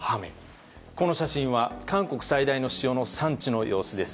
この写真は韓国最大の塩の産地の様子です。